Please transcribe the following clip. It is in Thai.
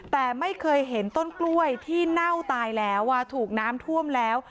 แต่ไม่เคยเห็นต้นกล้วยที่เน่าตายแล้วถูกน้ำท่วมแล้ว